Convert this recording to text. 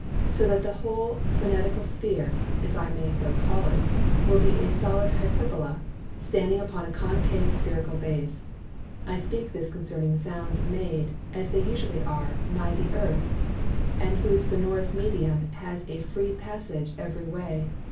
So that the whole Phonical Sphere (if I may so call it) will be a solid Hyperbola, standing upon a Concave Spherical Base. I speak this concerning Sounds made (as usually they are) nigh the Earth, and whose Sonorous Medium has a free passage every way.